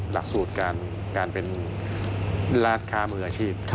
หลักสูตรการเป็นราชค้ามืออาชีพ